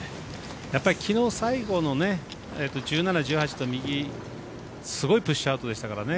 やっぱりきのう最後の１７、１８と右、すごいプッシュアウトでしたからね。